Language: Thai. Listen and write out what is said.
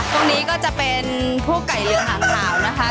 ตรงนี้ก็จะเป็นผู้ไก่เลือกหางเทานะคะ